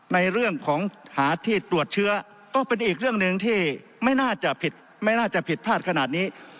ในเรื่องของหาที่ตรวจเชื้อก็เป็นอีกเรื่องหนึ่งที่ไม่น่าจะผิดไม่น่าจะผิดพลาดขนาดนี้